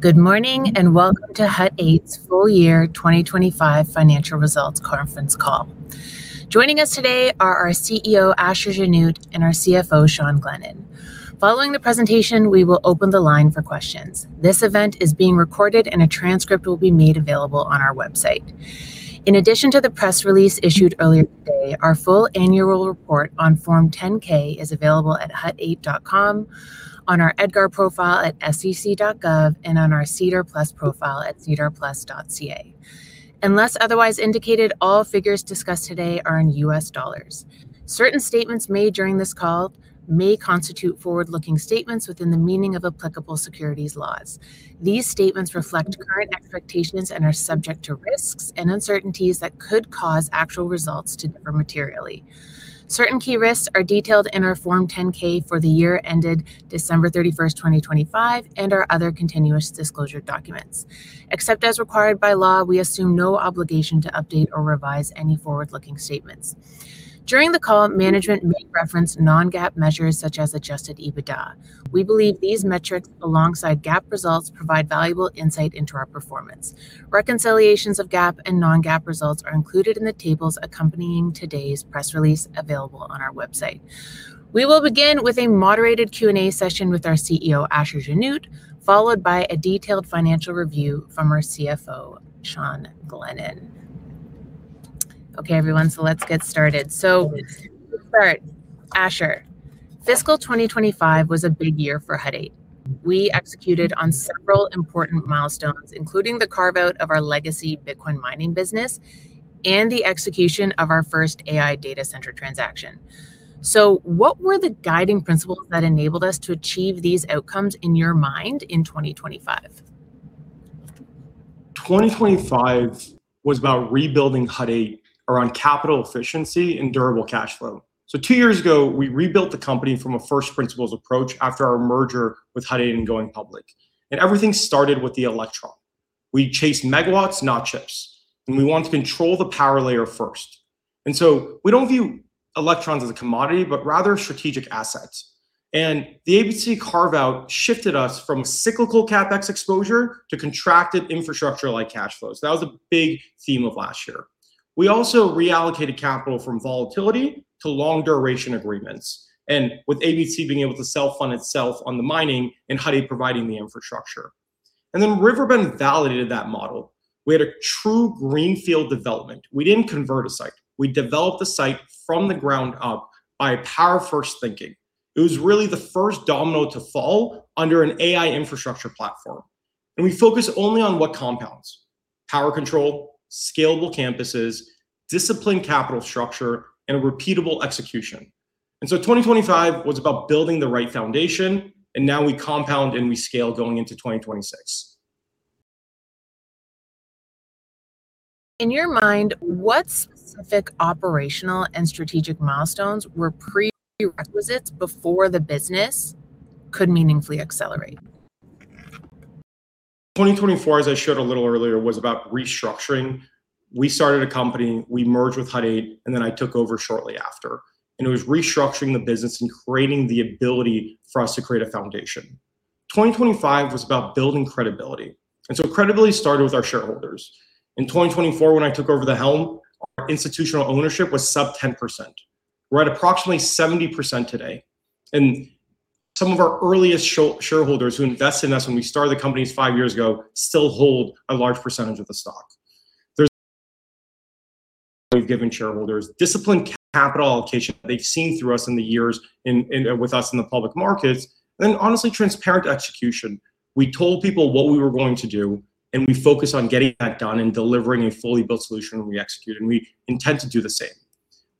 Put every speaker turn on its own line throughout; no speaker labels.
Good morning, welcome to Hut 8's full year 2025 financial results conference call. Joining us today are our CEO, Asher Genoot, and our CFO, Sean Glennan. Following the presentation, we will open the line for questions. This event is being recorded, and a transcript will be made available on our website. In addition to the press release issued earlier today, our full annual report on Form 10-K is available at hut8.com, on our EDGAR profile at sec.gov, and on our SEDAR+ profile at sedarplus.ca. Unless otherwise indicated, all figures discussed today are in US dollars. Certain statements made during this call may constitute forward-looking statements within the meaning of applicable securities laws. These statements reflect current expectations and are subject to risks and uncertainties that could cause actual results to differ materially. Certain key risks are detailed in our Form 10-K for the year ended December 31st, 2025, and our other continuous disclosure documents. Except as required by law, we assume no obligation to update or revise any forward-looking statements. During the call, management may reference non-GAAP measures such as Adjusted EBITDA. We believe these metrics, alongside GAAP results, provide valuable insight into our performance. Reconciliations of GAAP and non-GAAP results are included in the tables accompanying today's press release, available on our website. We will begin with a moderated Q&A session with our CEO, Asher Genoot, followed by a detailed financial review from our CFO, Sean Glennan. Okay, everyone, let's get started. First, Asher, fiscal 2025 was a big year for Hut 8. We executed on several important milestones, including the carve-out of our legacy Bitcoin mining business and the execution of our first AI data center transaction. What were the guiding principles that enabled us to achieve these outcomes in your mind in 2025?
2025 was about rebuilding Hut 8 around capital efficiency and durable cash flow. Two years ago, we rebuilt the company from a first principles approach after our merger with Hut 8 and going public, and everything started with the electron. We chase megawatts, not chips, and we want to control the power layer first. We don't view electrons as a commodity, but rather strategic assets. The ABC carve-out shifted us from cyclical CapEx exposure to contracted infrastructure-like cash flows. That was a big theme of last year. We also reallocated capital from volatility to long-duration agreements, and with ABC being able to self-fund itself on the mining and Hut 8 providing the infrastructure. River Bend validated that model. We had a true greenfield development. We didn't convert a site, we developed the site from the ground up by power-first thinking. It was really the first domino to fall under an AI infrastructure platform, and we focus only on what compounds: power control, scalable campuses, disciplined capital structure, and repeatable execution. 2025 was about building the right foundation, and now we compound and we scale going into 2026.
In your mind, what specific operational and strategic milestones were prerequisites before the business could meaningfully accelerate?
2024, as I showed a little earlier, was about restructuring. We started a company, we merged with Hut 8. I took over shortly after, and it was restructuring the business and creating the ability for us to create a foundation. 2025 was about building credibility. Credibility started with our shareholders. In 2024, when I took over the helm, our institutional ownership was sub 10%. We're at approximately 70% today, and some of our earliest shareholders who invested in us when we started the companies 5 years ago, still hold a large percentage of the stock. We've given shareholders disciplined capital allocation they've seen through us in the years with us in the public markets and then, honestly, transparent execution. We told people what we were going to do, and we focused on getting that done and delivering a fully built solution, and we executed, and we intend to do the same.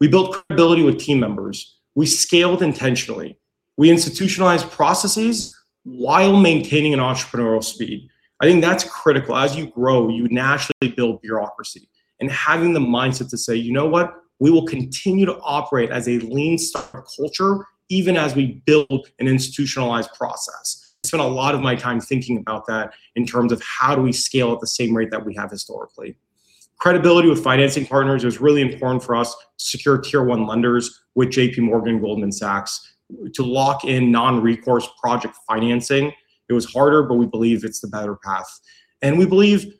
We built credibility with team members. We scaled intentionally. We institutionalized processes while maintaining an entrepreneurial speed. I think that's critical. As you grow, you naturally build bureaucracy, and having the mindset to say, "You know what? We will continue to operate as a lean startup culture, even as we build an institutionalized process." I spend a lot of my time thinking about that in terms of how do we scale at the same rate that we have historically. Credibility with financing partners was really important for us to secure Tier 1 lenders with J.P. Morgan, Goldman Sachs, to lock in non-recourse project financing. It was harder, but we believe it's the better path. We believe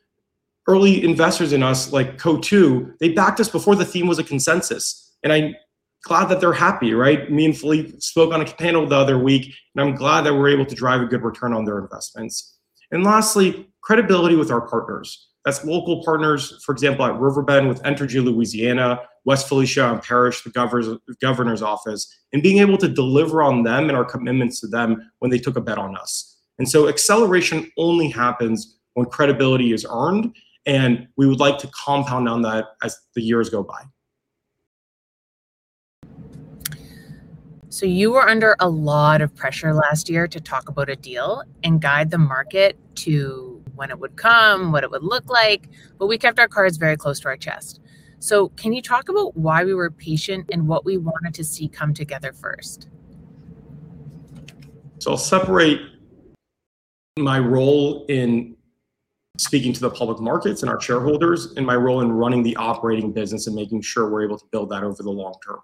early investors in us, like Coatue, they backed us before the theme was a consensus, and I'm glad that they're happy, right? Me and Philippe spoke on a panel the other week, and I'm glad that we're able to drive a good return on their investments. Lastly, credibility with our partners. That's local partners, for example, at River Bend, with Entergy Louisiana, West Feliciana Parish, the governor's office, and being able to deliver on them and our commitments to them when they took a bet on us. Acceleration only happens when credibility is earned, and we would like to compound on that as the years go by.
You were under a lot of pressure last year to talk about a deal and guide the market to when it would come, what it would look like, but we kept our cards very close to our chest. Can you talk about why we were patient and what we wanted to see come together first?
I'll separate my role speaking to the public markets and our shareholders, and my role in running the operating business and making sure we're able to build that over the long term.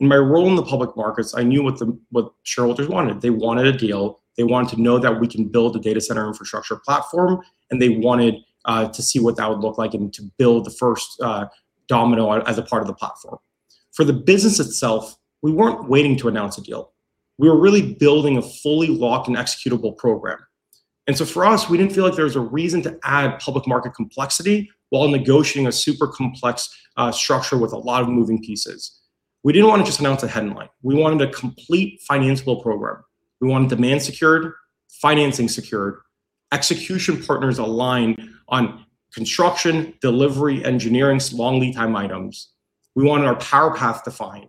In my role in the public markets, I knew what shareholders wanted. They wanted a deal. They wanted to know that we can build a data center infrastructure platform, and they wanted to see what that would look like and to build the first domino as a part of the platform. For the business itself, we weren't waiting to announce a deal. We were really building a fully locked and executable program. For us, we didn't feel like there was a reason to add public market complexity while negotiating a super complex structure with a lot of moving pieces. We didn't want to just announce a headline. We wanted a complete financial program. We wanted demand secured, financing secured, execution partners aligned on construction, delivery, engineering, so long lead time items. We wanted our power path defined.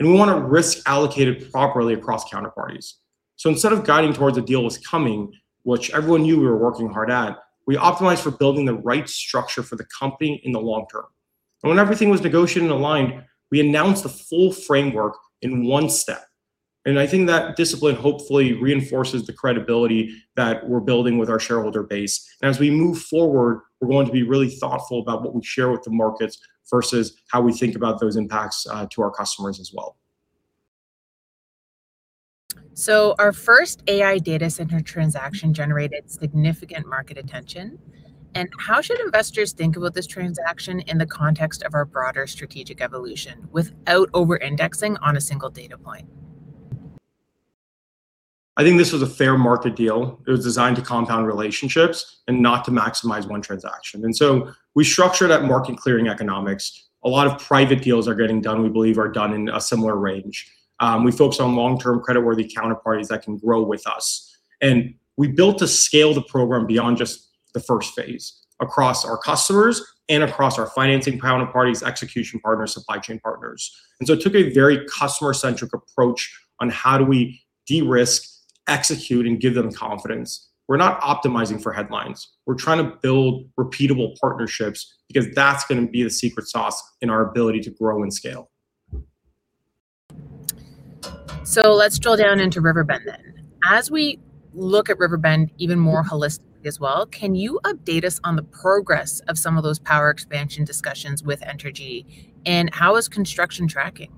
We want our risk allocated properly across counterparties. Instead of guiding towards a deal was coming, which everyone knew we were working hard at, we optimized for building the right structure for the company in the long term. When everything was negotiated and aligned, we announced the full framework in one step, and I think that discipline hopefully reinforces the credibility that we're building with our shareholder base. As we move forward, we're going to be really thoughtful about what we share with the markets versus how we think about those impacts to our customers as well.
Our first AI data center transaction generated significant market attention. How should investors think about this transaction in the context of our broader strategic evolution, without over-indexing on a single data point?
I think this was a fair market deal. It was designed to compound relationships and not to maximize one transaction. We structured at market-clearing economics. A lot of private deals are getting done, we believe are done in a similar range. We focused on long-term, credit-worthy counterparties that can grow with us, and we built to scale the program beyond just the first phase, across our customers and across our financing counterparty's execution partners, supply chain partners. It took a very customer-centric approach on how do we de-risk, execute, and give them confidence. We're not optimizing for headlines. We're trying to build repeatable partnerships because that's going to be the secret sauce in our ability to grow and scale.
Let's drill down into River Bend then. As we look at River Bend even more holistically as well, can you update us on the progress of some of those power expansion discussions with Entergy, and how is construction tracking?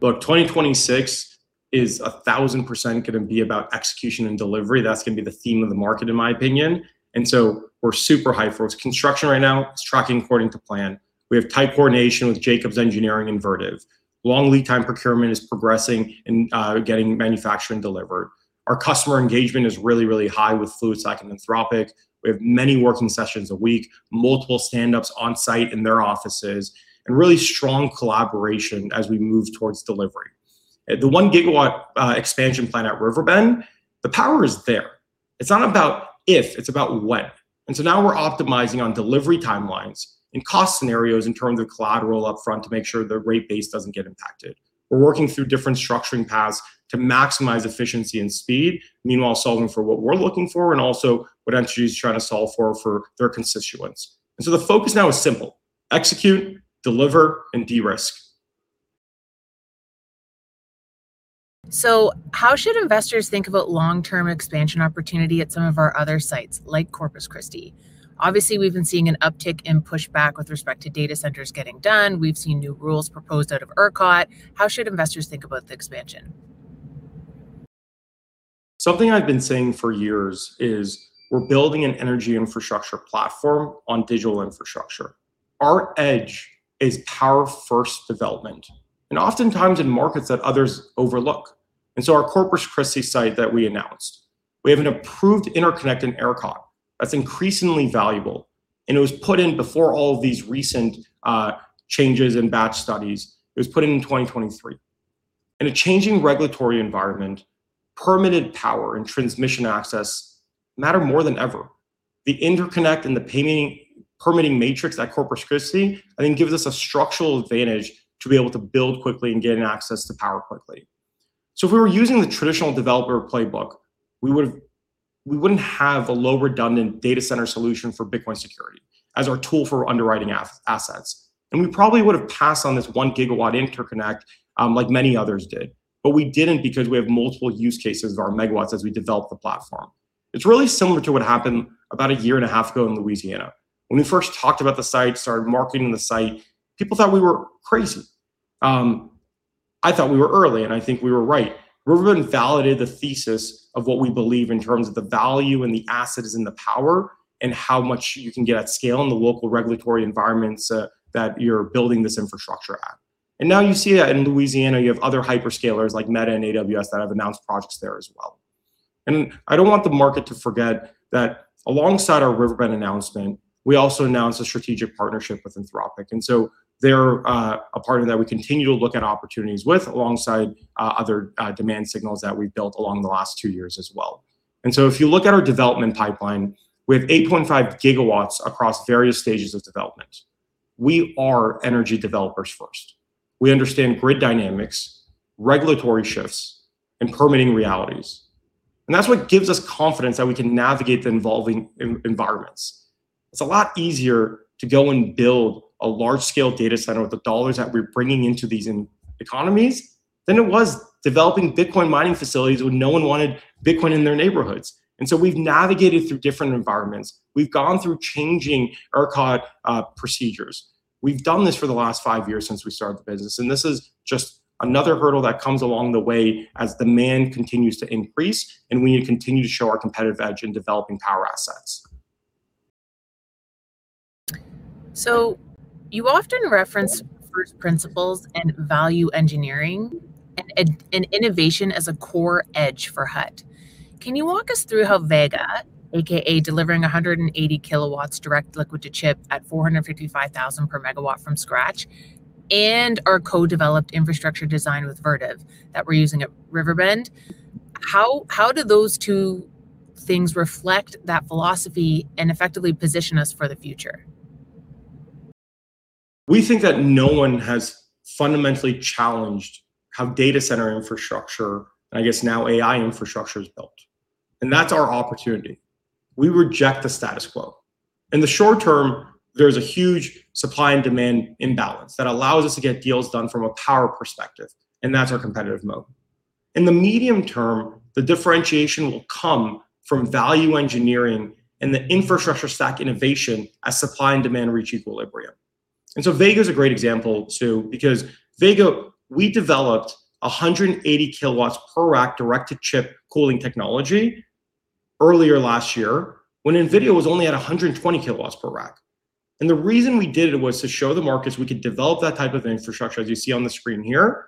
Look, 2026 is a 1,000% going to be about execution and delivery. That's going to be the theme of the market, in my opinion. We're super hyped for it. Construction right now is tracking according to plan. We have tight coordination with Jacobs Engineering and Vertiv. Long lead time procurement is progressing and getting manufacturing delivered. Our customer engagement is really, really high with Fluidstack and Anthropic. We have many working sessions a week, multiple stand-ups on site in their offices, and really strong collaboration as we move towards delivery. The 1 GW expansion plan at River Bend, the power is there. It's not about if, it's about when. Now we're optimizing on delivery timelines and cost scenarios in terms of collateral upfront to make sure the rate base doesn't get impacted. We're working through different structuring paths to maximize efficiency and speed, meanwhile, solving for what we're looking for and also what Entergy is trying to solve for their constituents. The focus now is simple: execute, deliver, and de-risk.
How should investors think about long-term expansion opportunity at some of our other sites, like Corpus Christi? Obviously, we've been seeing an uptick in pushback with respect to data centers getting done. We've seen new rules proposed out of ERCOT. How should investors think about the expansion?
Something I've been saying for years is we're building an energy infrastructure platform on digital infrastructure. Our edge is power first development, and oftentimes in markets that others overlook. Our Corpus Christi site that we announced, we have an approved interconnect in ERCOT that's increasingly valuable, and it was put in before all of these recent changes in batch studies. It was put in in 2023. In a changing regulatory environment, permitted power and transmission access matter more than ever. The interconnect and the permitting matrix at Corpus Christi, I think, gives us a structural advantage to be able to build quickly and gain access to power quickly. If we were using the traditional developer playbook, we wouldn't have a low, redundant data center solution for Bitcoin security as our tool for underwriting as-assets, and we probably would have passed on this 1 gigawatt interconnect, like many others did. We didn't, because we have multiple use cases of our megawatts as we develop the platform. It's really similar to what happened about a year and a half ago in Louisiana. When we first talked about the site, started marketing the site, people thought we were crazy. I thought we were early, and I think we were right. River Bend validated the thesis of what we believe in terms of the value and the assets and the power, and how much you can get at scale in the local regulatory environments that you're building this infrastructure at. Now you see that in Louisiana, you have other hyperscalers like Meta and AWS that have announced projects there as well. I don't want the market to forget that alongside our River Bend announcement, we also announced a strategic partnership with Anthropic, and so they're a partner that we continue to look at opportunities with, alongside other demand signals that we've built along the last two years as well. If you look at our development pipeline, we have 8.5 GW across various stages of development. We are energy developers first. We understand grid dynamics, regulatory shifts, and permitting realities, and that's what gives us confidence that we can navigate the evolving environments. It's a lot easier to go and build a large-scale data center with the dollars that we're bringing into these in economies than it was developing Bitcoin mining facilities when no one wanted Bitcoin in their neighborhoods. We've navigated through different environments. We've gone through changing ERCOT procedures. We've done this for the last 5 years since we started the business, and this is just another hurdle that comes along the way as demand continues to increase and we continue to show our competitive edge in developing power assets.
You often reference first principles and value engineering and innovation as a core edge for HUT. Can you walk us through how Vega, AKA delivering 180 kilowatts direct liquid to chip at $455,000 per megawatt from scratch, and our co-developed infrastructure design with Vertiv that we're using at River Bend, how do those two things reflect that philosophy and effectively position us for the future?
We think that no one has fundamentally challenged how data center infrastructure, and I guess now AI infrastructure, is built, and that's our opportunity. We reject the status quo. In the short term, there's a huge supply and demand imbalance that allows us to get deals done from a power perspective, and that's our competitive mode. In the medium term, the differentiation will come from value engineering and the infrastructure stack innovation as supply and demand reach equilibrium. Vega is a great example, too, because Vega we developed 180 kilowatts per rack direct-to-chip cooling technology earlier last year, when NVIDIA was only at 120 kilowatts per rack. The reason we did it was to show the markets we could develop that type of infrastructure, as you see on the screen here.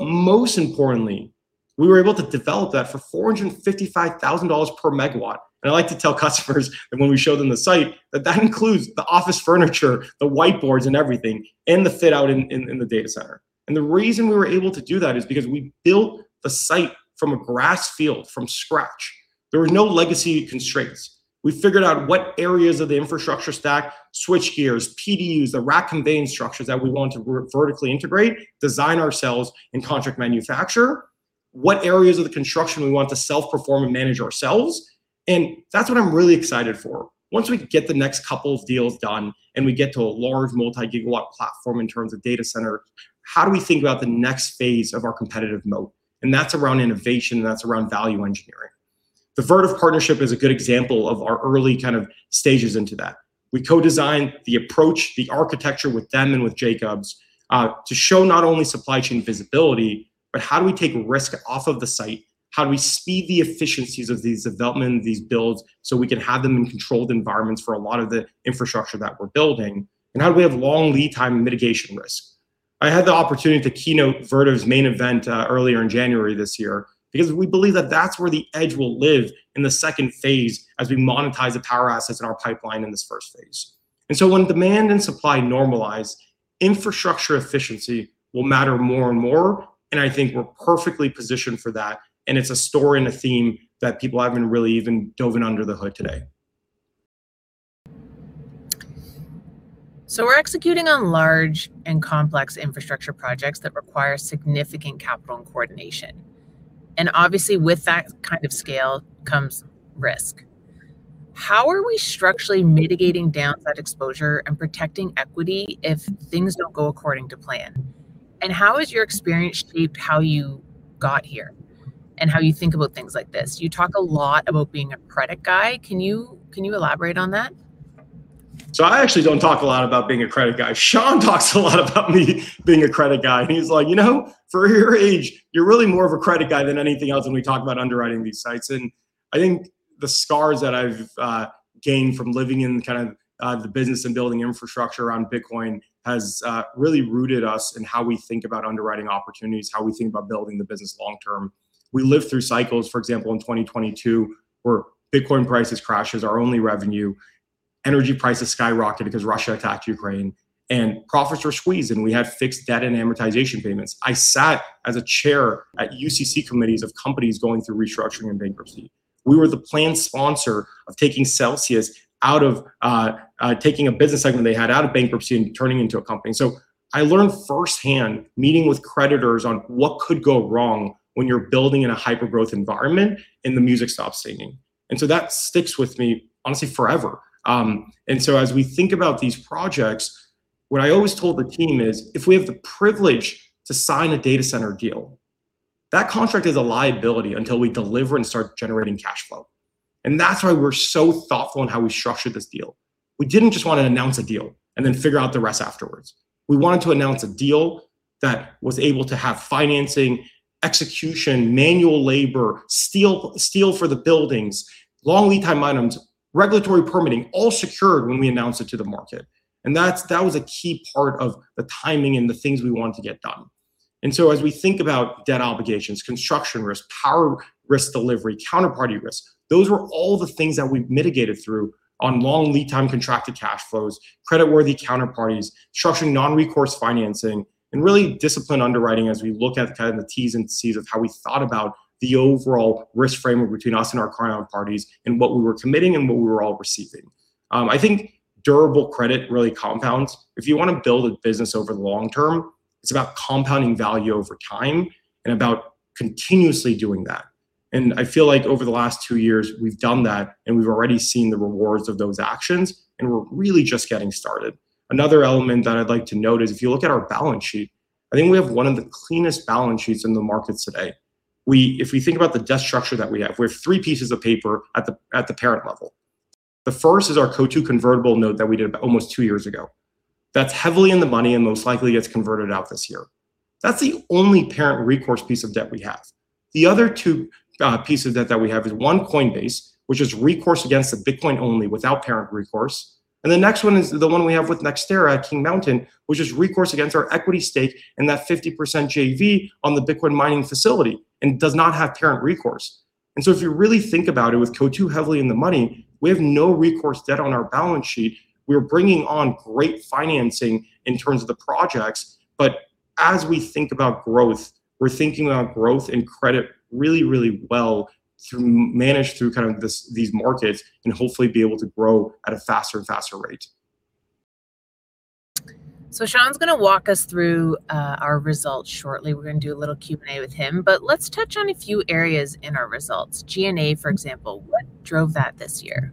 Most importantly, we were able to develop that for $455,000 per megawatt. I like to tell customers that when we show them the site, that that includes the office furniture, the whiteboards and everything, and the fit out in the data center. The reason we were able to do that is because we built the site from a grass field from scratch. There were no legacy constraints. We figured out what areas of the infrastructure stack, switch gears, PDUs, the rack and vane structures that we want to vertically integrate, design ourselves, and contract manufacture, what areas of the construction we want to self-perform and manage ourselves. That's what I'm really excited for. Once we get the next couple of deals done, and we get to a large multi-gigawatt platform in terms of data center, how do we think about the next phase of our competitive mode? That's around innovation, and that's around value engineering. The Vertiv partnership is a good example of our early kind of stages into that. We co-designed the approach, the architecture with them and with Jacobs, to show not only supply chain visibility, but how do we take risk off of the site? How do we speed the efficiencies of these development, these builds, so we can have them in controlled environments for a lot of the infrastructure that we're building, and how do we have long lead time and mitigation risk? I had the opportunity to keynote Vertiv's main event, earlier in January this year, because we believe that that's where the edge will live in the second phase as we monetize the power assets in our pipeline in this first phase. When demand and supply normalize, infrastructure efficiency will matter more and more, and I think we're perfectly positioned for that, and it's a story and a theme that people haven't really even dove in under the hood today.
We're executing on large and complex infrastructure projects that require significant capital and coordination. Obviously, with that kind of scale comes risk. How are we structurally mitigating down that exposure and protecting equity if things don't go according to plan? How has your experience shaped how you got here and how you think about things like this? You talk a lot about being a credit guy. Can you elaborate on that?
I actually don't talk a lot about being a credit guy. Sean talks a lot about me being a credit guy, and he's like, "You know, for your age, you're really more of a credit guy than anything else," when we talk about underwriting these sites. I think the scars that I've gained from living in kind of the business and building infrastructure around Bitcoin has really rooted us in how we think about underwriting opportunities, how we think about building the business long term. We lived through cycles, for example, in 2022, where Bitcoin prices crashes, our only revenue, energy prices skyrocketed because Russia attacked Ukraine, and profits were squeezed, and we had fixed debt and amortization payments. I sat as a chair at UCC committees of companies going through restructuring and bankruptcy. We were the planned sponsor of taking Celsius out of taking a business segment they had out of bankruptcy and turning into a company. I learned firsthand, meeting with creditors on what could go wrong when you're building in a hyper-growth environment and the music stops singing. That sticks with me, honestly, forever. As we think about these projects, what I always told the team is, if we have the privilege to sign a data center deal, that contract is a liability until we deliver and start generating cash flow. That's why we're so thoughtful in how we structured this deal. We didn't just want to announce a deal and then figure out the rest afterwards. We wanted to announce a deal that was able to have financing, execution, manual labor, steel for the buildings, long lead time items, regulatory permitting, all secured when we announced it to the market. That was a key part of the timing and the things we wanted to get done. As we think about debt obligations, construction risk, power risk delivery, counterparty risk, those were all the things that we've mitigated through on long lead time contracted cash flows, creditworthy counterparties, structuring non-recourse financing, and really disciplined underwriting as we look at kind of the Ts and Cs of how we thought about the overall risk framework between us and our current parties and what we were committing and what we were all receiving. I think durable credit really compounds. If you want to build a business over the long term, it's about compounding value over time and about continuously doing that. I feel like over the last 2 years, we've done that, and we've already seen the rewards of those actions, and we're really just getting started. Another element that I'd like to note is, if you look at our balance sheet, I think we have one of the cleanest balance sheets in the markets today. If we think about the debt structure that we have, we have 3 pieces of paper at the parent level. The first is our Coatue convertible note that we did about almost 2 years ago. That's heavily in the money and most likely gets converted out this year. That's the only parent recourse piece of debt we have. The other two pieces of debt that we have is one Coinbase, which is recourse against the Bitcoin only without parent recourse, and the next one is the one we have with NextEra at King Mountain, which is recourse against our equity stake in that 50% JV on the Bitcoin mining facility, and it does not have parent recourse. If you really think about it, with CO-2 heavily in the money, we have no recourse debt on our balance sheet. We're bringing on great financing in terms of the projects. As we think about growth, we're thinking about growth and credit really well managed through these markets. Hopefully be able to grow at a faster and faster rate.
Sean's gonna walk us through our results shortly. We're gonna do a little Q&A with him, let's touch on a few areas in our results. G&A, for example, what drove that this year?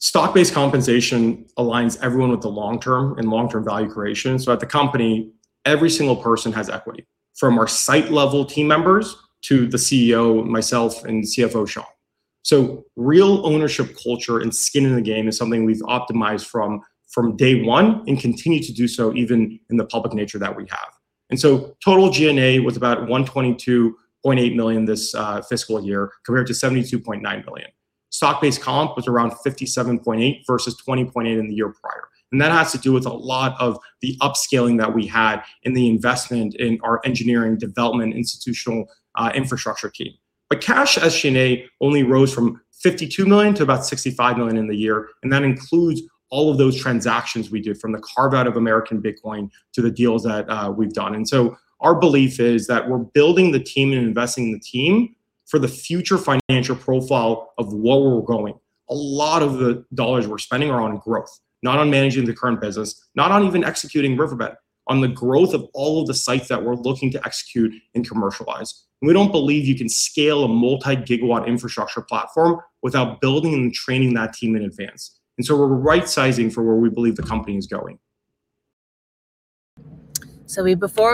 Stock-based compensation aligns everyone with the long term and long-term value creation. At the company, every single person has equity, from our site-level team members to the CEO, myself, and the CFO, Sean. Real ownership culture and skin in the game is something we've optimized from day one and continue to do so even in the public nature that we have. Total G&A was about $122.8 million this fiscal year, compared to $72.9 million. Stock-based comp was around $57.8 million versus $20.8 million in the year prior, and that has to do with a lot of the upscaling that we had in the investment in our engineering development, institutional infrastructure team. Cash as G&A only rose from $52 million to about $65 million in the year, and that includes all of those transactions we did, from the carve-out of American Bitcoin to the deals that we've done. Our belief is that we're building the team and investing in the team for the future financial profile of where we're going. A lot of the dollars we're spending are on growth, not on managing the current business, not on even executing River Bend, on the growth of all of the sites that we're looking to execute and commercialize. We don't believe you can scale a multi-gigawatt infrastructure platform without building and training that team in advance. We're right-sizing for where we believe the company is going.
We, before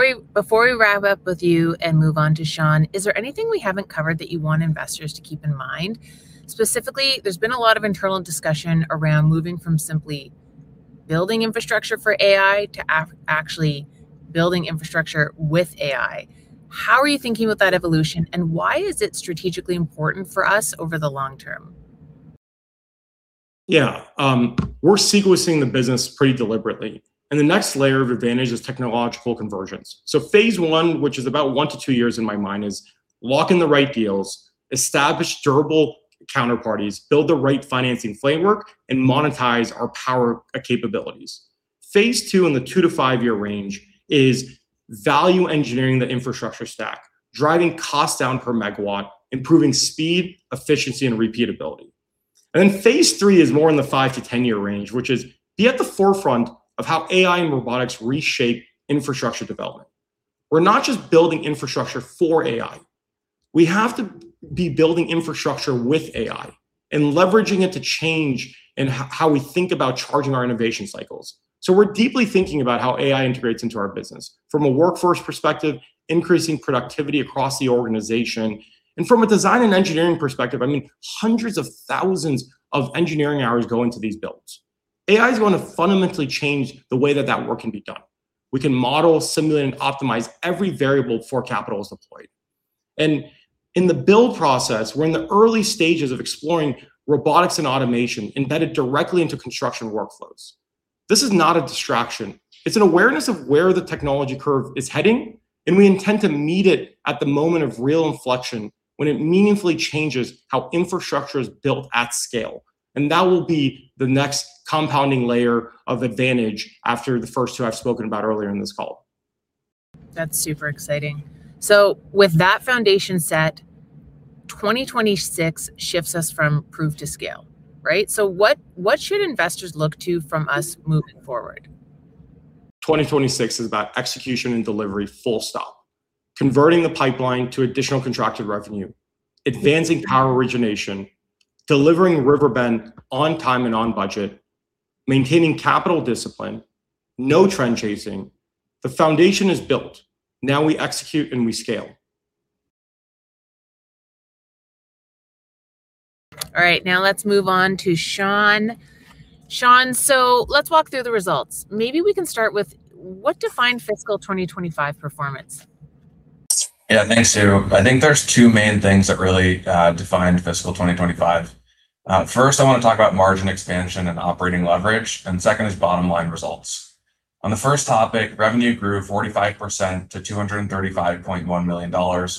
we wrap up with you and move on to Sean, is there anything we haven't covered that you want investors to keep in mind? Specifically, there's been a lot of internal discussion around moving from simply building infrastructure for AI to actually building infrastructure with AI. How are you thinking about that evolution, and why is it strategically important for us over the long term?
We're sequencing the business pretty deliberately, the next layer of advantage is technological convergence. Phase 1, which is about 1-2 years in my mind, is lock in the right deals, establish durable counterparties, build the right financing framework, and monetize our power capabilities. Phase 2, in the 2-5 year range, is value engineering the infrastructure stack, driving costs down per megawatt, improving speed, efficiency, and repeatability. Then phase 3 is more in the 5-10 year range, which is be at the forefront of how AI and robotics reshape infrastructure development. We're not just building infrastructure for AI. We have to be building infrastructure with AI and leveraging it to change in how we think about charging our innovation cycles. We're deeply thinking about how AI integrates into our business, from a workforce perspective, increasing productivity across the organization, and from a design and engineering perspective, I mean, hundreds of thousands of engineering hours go into these builds. AI is going to fundamentally change the way that that work can be done. We can model, simulate, and optimize every variable before capital is deployed. In the build process, we're in the early stages of exploring robotics and automation embedded directly into construction workflows. This is not a distraction. It's an awareness of where the technology curve is heading, and we intend to meet it at the moment of real inflection when it meaningfully changes how infrastructure is built at scale. That will be the next compounding layer of advantage after the first two I've spoken about earlier in this call.
That's super exciting. With that foundation set, 2026 shifts us from proof to scale, right? What should investors look to from us moving forward?
2026 is about execution and delivery, full stop. Converting the pipeline to additional contracted revenue, advancing power origination, delivering River Bend on time and on budget, maintaining capital discipline, no trend chasing. The foundation is built. Now we execute, and we scale.
All right, now let's move on to Sean. Sean, let's walk through the results. Maybe we can start with what defined fiscal 2025 performance?
Yeah, thanks, Sue. I think there's two main things that really defined fiscal 2025. First, I want to talk about margin expansion and operating leverage, and second is bottom line results. On the first topic, revenue grew 45% to $235.1 million,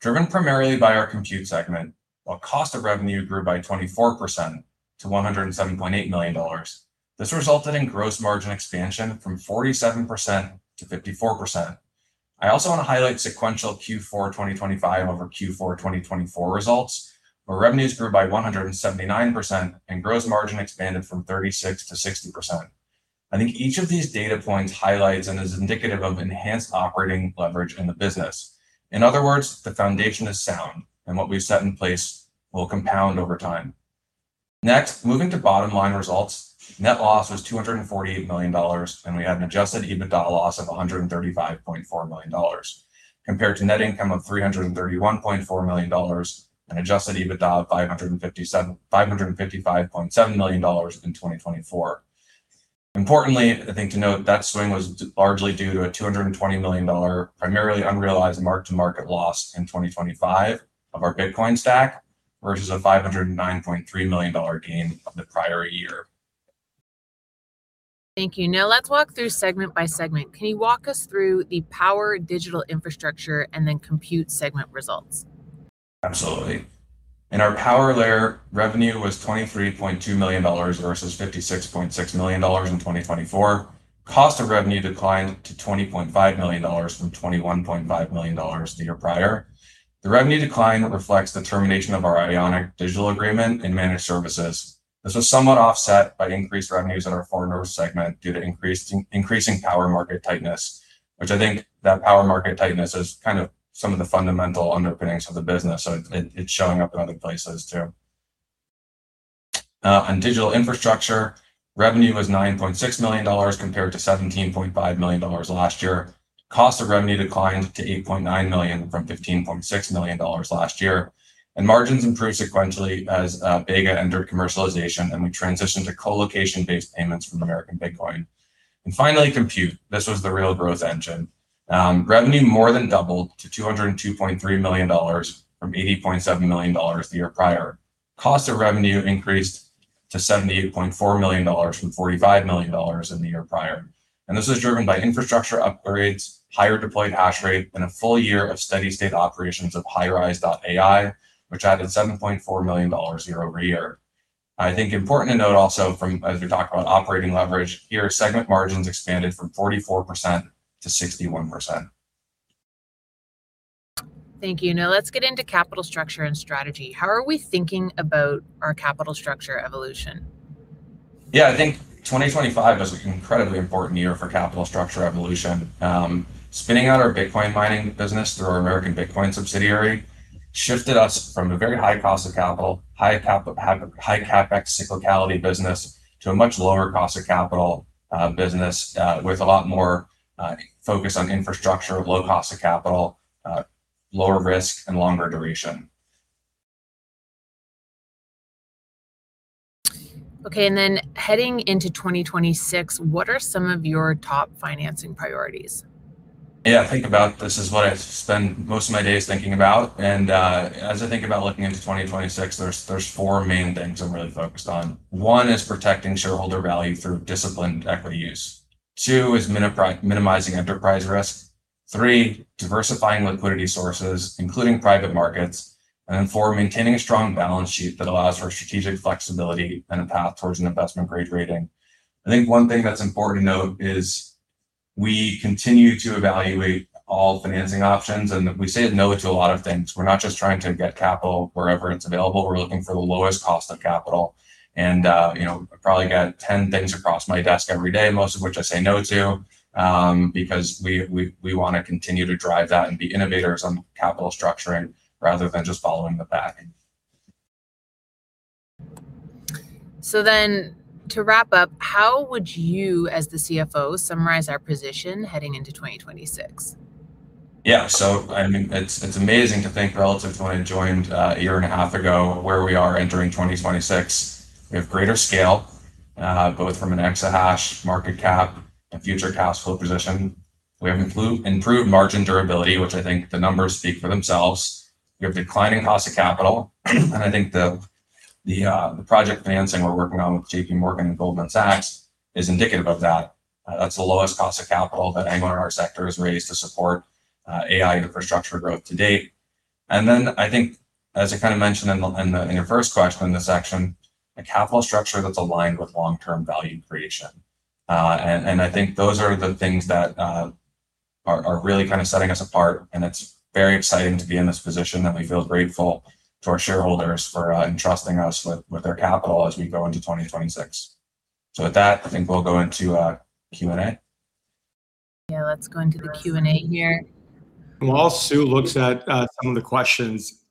driven primarily by our compute segment, while cost of revenue grew by 24% to $107.8 million. This resulted in gross margin expansion from 47% to 54%. I also want to highlight sequential Q4 2025 over Q4 2024 results, where revenues grew by 179% and gross margin expanded from 36%-60%. I think each of these data points highlights and is indicative of enhanced operating leverage in the business. The foundation is sound, and what we've set in place will compound over time. Moving to bottom line results, net loss was $248 million, and we had an Adjusted EBITDA loss of $135.4 million, compared to net income of $331.4 million and Adjusted EBITDA of $555.7 million in 2024. The thing to note, that swing was largely due to a $220 million, primarily unrealized mark-to-market loss in 2025 of our Bitcoin stack, versus a $509.3 million gain of the prior year.
Thank you. Let's walk through segment by segment. Can you walk us through the power digital infrastructure and then compute segment results?
Absolutely. In our power layer, revenue was $23.2 million versus $56.6 million in 2024. Cost of revenue declined to $20.5 million from $21.5 million the year prior. The revenue decline reflects the termination of our Ionic Digital agreement in managed services. This was somewhat offset by increased revenues in our foreign owner segment due to increasing power market tightness, which I think that power market tightness is kind of some of the fundamental underpinnings of the business, so it's showing up in other places, too. In digital infrastructure, revenue was $9.6 million compared to $17.5 million last year. Cost of revenue declined to $8.9 million from $15.6 million last year. Margins improved sequentially as Vega entered commercialization, and we transitioned to co-location based payments from American Bitcoin. Finally, Compute. Revenue more than doubled to $202.3 million from $80.7 million the year prior. Cost of revenue increased to $78.4 million from $45 million in the year prior, and this is driven by infrastructure upgrades, higher deployed hash rate, and a full year of steady state operations of Highrise AI, which added $7.4 million year-over-year. I think important to note also as we talk about operating leverage, here segment margins expanded from 44% to 61%.
Thank you. Now let's get into capital structure and strategy. How are we thinking about our capital structure evolution?
I think 2025 was an incredibly important year for capital structure evolution. Spinning out our Bitcoin mining business through our American Bitcoin subsidiary shifted us from a very high cost of capital, high CapEx cyclicality business, to a much lower cost of capital, business, with a lot more focus on infrastructure, low cost of capital, lower risk, and longer duration.
Okay, heading into 2026, what are some of your top financing priorities?
Yeah, I think about this as what I spend most of my days thinking about. As I think about looking into 2026, there's four main things I'm really focused on. One is protecting shareholder value through disciplined equity use. Two is minimizing enterprise risk. Three, diversifying liquidity sources, including private markets. Four, maintaining a strong balance sheet that allows for strategic flexibility and a path towards an investment grade rating. I think one thing that's important to note is we continue to evaluate all financing options. We say no to a lot of things. We're not just trying to get capital wherever it's available. We're looking for the lowest cost of capital, and, you know, I probably get 10 things across my desk every day, most of which I say no to, because we wanna continue to drive that and be innovators on capital structuring rather than just following the pack.
To wrap up, how would you, as the CFO, summarize our position heading into 2026?
I mean, it's amazing to think relative to when I joined a year and a half ago, where we are entering 2026. We have greater scale, both from an exahash market cap and future cash flow position. We have improved margin durability, which I think the numbers speak for themselves. We have declining cost of capital, and I think the project financing we're working on with J.P. Morgan and Goldman Sachs is indicative of that. That's the lowest cost of capital that anyone in our sector has raised to support AI infrastructure growth to date. I think, as I kind of mentioned in the in your first question in this section, a capital structure that's aligned with long-term value creation. I think those are the things that are really kind of setting us apart, and it's very exciting to be in this position, and we feel grateful to our shareholders for entrusting us with their capital as we go into 2026. With that, I think we'll go into Q&A.
Yeah, let's go into the Q&A here.
While Sue looks at some of the questions,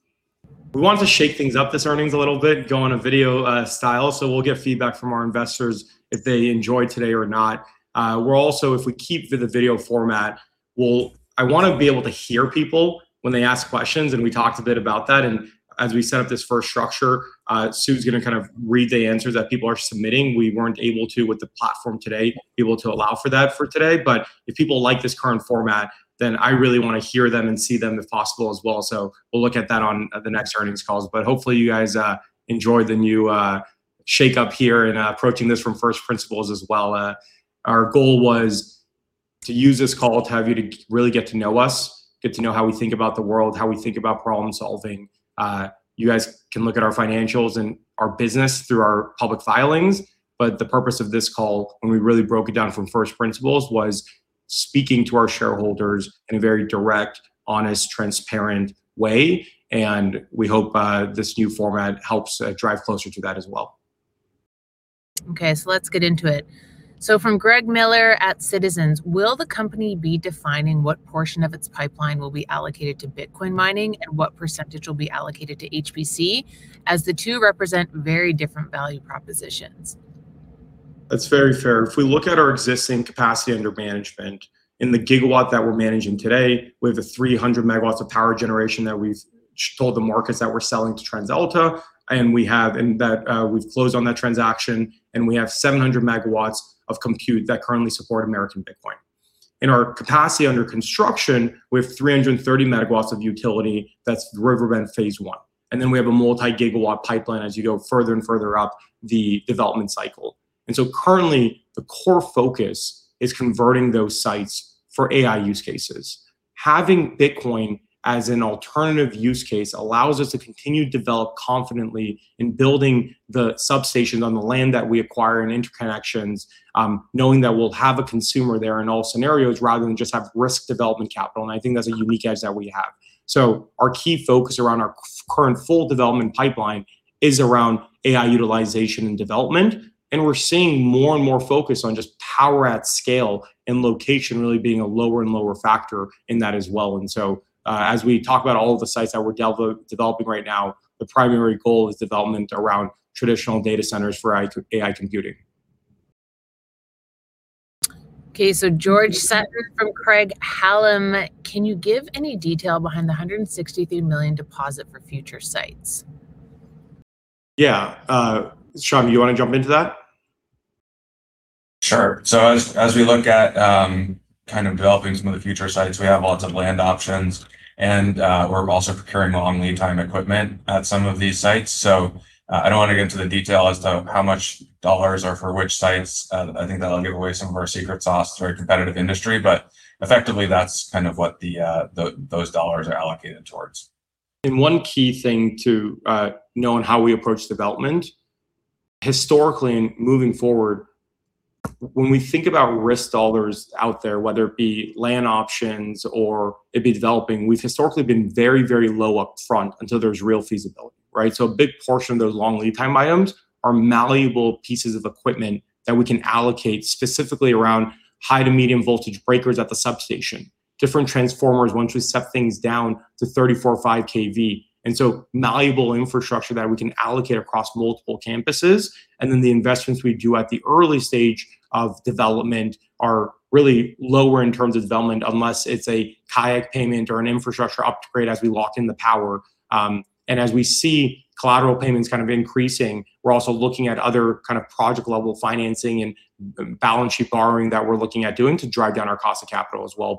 we want to shake things up this earnings a little bit, go on a video style, so we'll get feedback from our investors if they enjoy today or not. We're also, if we keep the video format, I wanna be able to hear people when they ask questions, and we talked a bit about that. As we set up this first structure, Sue's gonna kind of read the answers that people are submitting. We weren't able to, with the platform today, be able to allow for that for today. If people like this current format, then I really wanna hear them and see them, if possible, as well. We'll look at that on the next earnings calls. Hopefully you guys enjoy the new shake-up here and approaching this from first principles as well. Our goal was to use this call to have you to really get to know us, get to know how we think about the world, how we think about problem-solving. You guys can look at our financials and our business through our public filings, but the purpose of this call, when we really broke it down from first principles, was speaking to our shareholders in a very direct, honest, transparent way, and we hope this new format helps drive closer to that as well.
Let's get into it. From Greg Miller at Citizens: "Will the company be defining what portion of its pipeline will be allocated to Bitcoin mining, and what % will be allocated to HPC, as the two represent very different value propositions?
That's very fair. If we look at our existing capacity under management, in the gigawatt that we're managing today, we have 300 megawatts of power generation that we've told the markets that we're selling to TransAlta, and we have, and that, we've closed on that transaction, and we have 700 megawatts of compute that currently support American Bitcoin. In our capacity under construction, we have 330 megawatts of utility, that's River Bend phase one, then we have a multi-gigawatt pipeline as you go further and further up the development cycle. Currently, the core focus is converting those sites for AI use cases. Having Bitcoin as an alternative use case allows us to continue to develop confidently in building the substations on the land that we acquire and interconnections, knowing that we'll have a consumer there in all scenarios, rather than just have risk development capital, and I think that's a unique edge that we have. Our key focus around our current full development pipeline is around AI utilization and development, and we're seeing more and more focus on just power at scale, and location really being a lower and lower factor in that as well. As we talk about all of the sites that we're developing right now, the primary goal is development around traditional data centers for AI computing.
Okay, George Sutton from Craig-Hallum: "Can you give any detail behind the $163 million deposit for future sites?
Yeah. Sean, do you want to jump into that?
Sure. As we look at kind of developing some of the future sites, we have lots of land options, and we're also procuring long lead time equipment at some of these sites. I don't want to get into the detail as to how much dollars are for which sites. I think that'll give away some of our secret sauce to our competitive industry, but effectively, that's kind of what the those dollars are allocated towards.
One key thing to know in how we approach development, historically and moving forward, when we think about risk dollars out there, whether it be land options or it be developing, we've historically been very, very low up front until there's real feasibility, right? A big portion of those long lead time items are malleable pieces of equipment that we can allocate specifically around high to medium voltage breakers at the substation, different transformers once we step things down to 34.5 kV. Malleable infrastructure that we can allocate across multiple campuses, and then the investments we do at the early stage of development are really lower in terms of development, unless it's a CapEx payment or an infrastructure upgrade as we lock in the power. As we see collateral payments kind of increasing, we're also looking at other kind of project-level financing and balance sheet borrowing that we're looking at doing to drive down our cost of capital as well.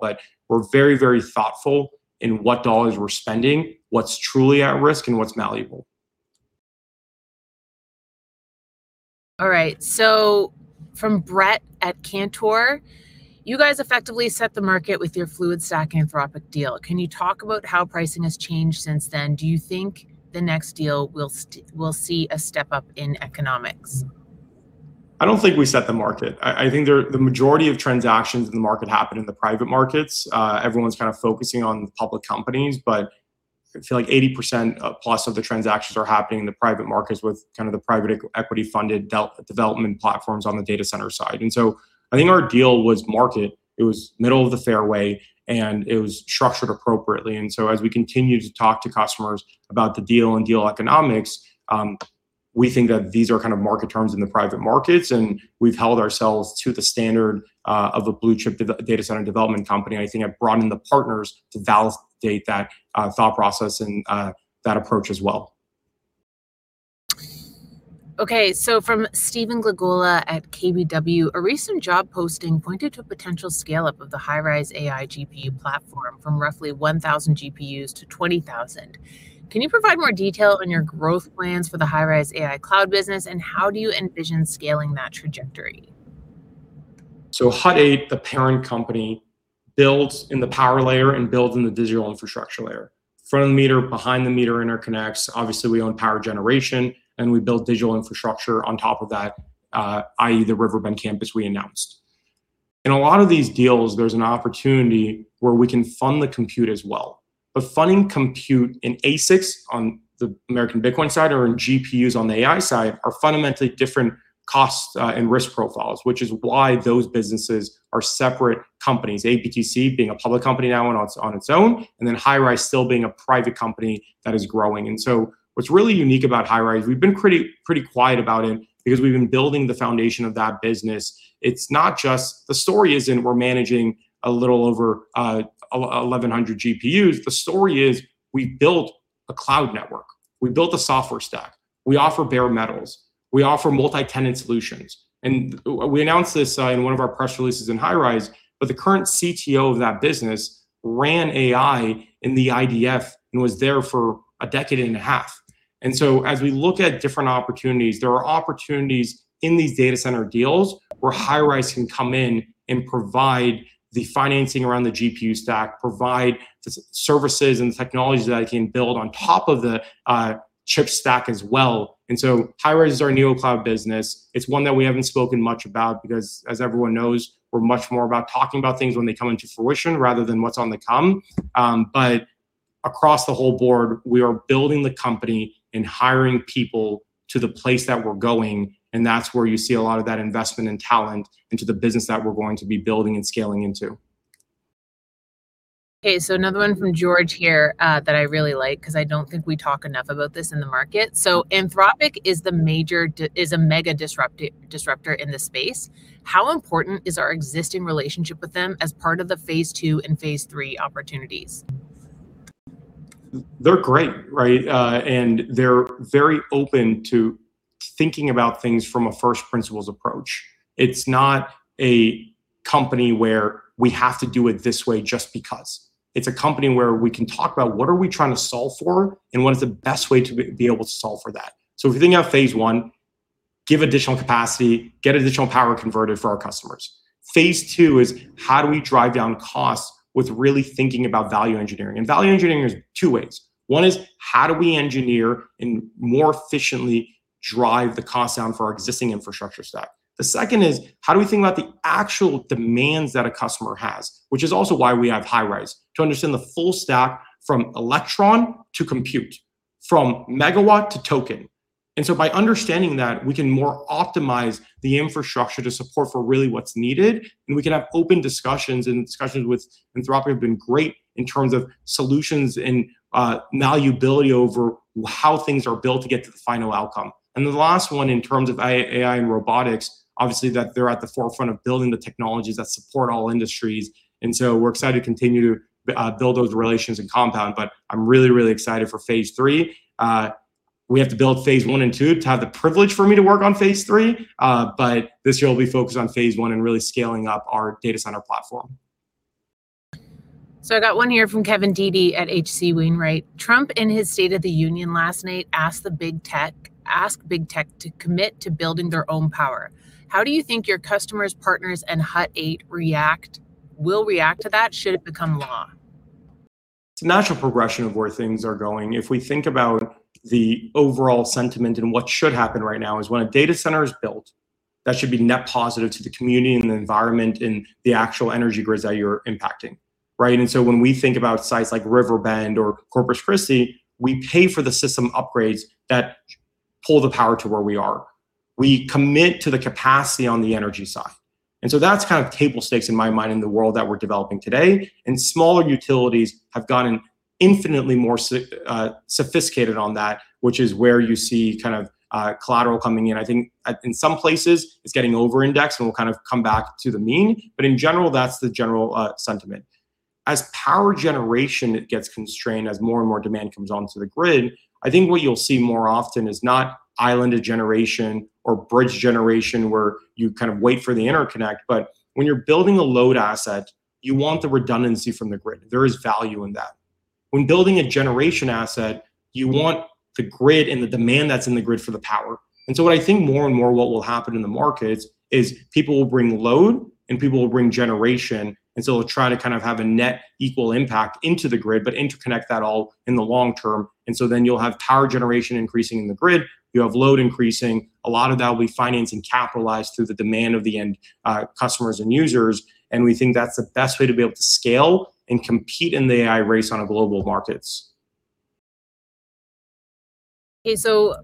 We're very, very thoughtful in what dollars we're spending, what's truly at risk, and what's malleable.
All right. From Brett at Cantor: "You guys effectively set the market with your Fluidstack Anthropic deal. Can you talk about how pricing has changed since then? Do you think the next deal will see a step up in economics?
I don't think we set the market. I think the majority of transactions in the market happen in the private markets. Everyone's kind of focusing on public companies, but I feel like 80% plus of the transactions are happening in the private markets with kind of the private equity-funded development platforms on the data center side. I think our deal was market, it was middle of the fairway, and it was structured appropriately. As we continue to talk to customers about the deal and deal economics, we think that these are kind of market terms in the private markets, and we've held ourselves to the standard of a blue chip data center development company. I think I've brought in the partners to validate that thought process and that approach as well.
From Steven Kwok at KBW: "A recent job posting pointed to a potential scale-up of the Highrise AI GPU platform from roughly 1,000 GPUs to 20,000. Can you provide more detail on your growth plans for the Highrise AI cloud business, and how do you envision scaling that trajectory?
Hut 8, the parent company, builds in the power layer and builds in the digital infrastructure layer. Front of the meter, behind the meter interconnects, obviously, we own power generation, and we build digital infrastructure on top of that, i.e., the River Bend campus we announced. In a lot of these deals, there's an opportunity where we can fund the compute as well. Funding compute in ASICs on the American Bitcoin side or in GPUs on the AI side are fundamentally different cost and risk profiles, which is why those businesses are separate companies. APTC being a public company now on its own, and then Highrise AI still being a private company that is growing. What's really unique about Highrise AI, we've been pretty quiet about it because we've been building the foundation of that business. It's not just... the story isn't we're managing a little over 1,100 GPUs. The story is we built a cloud network, we built a software stack, we offer bare metals, we offer multi-tenant solutions. We announced this in one of our press releases in Highrise, but the current CTO of that business ran AI in the IDF and was there for a decade and a half. As we look at different opportunities, there are opportunities in these data center deals where Highrise can come in and provide the financing around the GPU stack, provide the services and technologies that I can build on top of the chip stack as well. Highrise is our new cloud business. It's one that we haven't spoken much about, because as everyone knows, we're much more about talking about things when they come into fruition, rather than what's on the come. Across the whole board, we are building the company and hiring people to the place that we're going, and that's where you see a lot of that investment and talent into the business that we're going to be building and scaling into.
Okay, another one from George here, that I really like, 'cause I don't think we talk enough about this in the market. Anthropic is a mega disruptor in the space. How important is our existing relationship with them as part of the phase 2 and phase 3 opportunities?
They're great, right? They're very open to thinking about things from a first principles approach. It's not a company where we have to do it this way just because. It's a company where we can talk about what are we trying to solve for, and what is the best way to be able to solve for that? If you think about phase one, give additional capacity, get additional power converted for our customers. Phase two is, how do we drive down costs with really thinking about value engineering? Value engineering is two ways. One is, how do we engineer and more efficiently drive the cost down for our existing infrastructure stack? The second is, how do we think about the actual demands that a customer has? Which is also why we have Highrise, to understand the full stack from electron to compute, from megawatt to token. By understanding that, we can more optimize the infrastructure to support for really what's needed, and we can have open discussions. Discussions with Anthropic have been great in terms of solutions and malleability over how things are built to get to the final outcome. The last one, in terms of AI and robotics, obviously, that they're at the forefront of building the technologies that support all industries, and so we're excited to continue to build those relations and compound, but I'm really, really excited for phase three. We have to build phase one and two to have the privilege for me to work on phase three. This year will be focused on phase one and really scaling up our data center platform.
I got one here from Kevin Dede at H.C. Wainwright. Trump, in his State of the Union last night, asked big tech to commit to building their own power. How do you think your customers, partners, and Hut 8 will react to that, should it become law?
It's a natural progression of where things are going. If we think about the overall sentiment and what should happen right now is, when a data center is built, that should be net positive to the community and the environment and the actual energy grids that you're impacting, right? When we think about sites like River Bend or Corpus Christi, we pay for the system upgrades that pull the power to where we are. We commit to the capacity on the energy side. That's kind of table stakes in my mind in the world that we're developing today, and smaller utilities have gotten infinitely more sophisticated on that, which is where you see kind of collateral coming in. I think in some places it's getting overindexed, and we'll kind of come back to the mean, but in general, that's the general sentiment. As power generation gets constrained, as more and more demand comes onto the grid, I think what you'll see more often is not islanded generation or bridge generation, where you kind of wait for the interconnect, but when you're building a load asset, you want the redundancy from the grid. There is value in that. When building a generation asset, you want the grid and the demand that's in the grid for the power. What I think more and more what will happen in the markets is, people will bring load and people will bring generation. They'll try to kind of have a net equal impact into the grid, but interconnect that all in the long term. You'll have power generation increasing in the grid, you have load increasing. A lot of that will be financed and capitalized through the demand of the end, customers and users, and we think that's the best way to be able to scale and compete in the AI race on a global markets.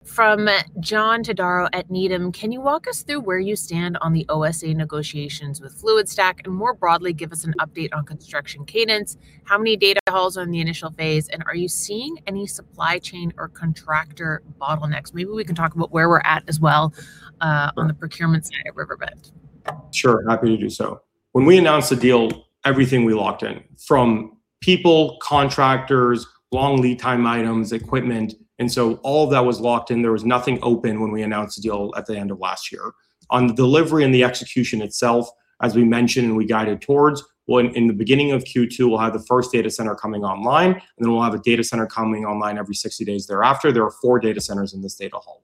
From John Todaro at Needham: "Can you walk us through where you stand on the OSA negotiations with Fluidstack, and more broadly, give us an update on construction cadence? How many data halls are in the initial phase, and are you seeing any supply chain or contractor bottlenecks?" Maybe we can talk about where we're at as well, on the procurement side at River Bend.
Sure, happy to do so. When we announced the deal, everything we locked in, from people, contractors, long lead time items, equipment, all that was locked in. There was nothing open when we announced the deal at the end of last year. On the delivery and the execution itself, as we mentioned and we guided towards, in the beginning of Q2, we'll have the first data center coming online, we'll have a data center coming online every 60 days thereafter. There are 4 data centers in this data hall.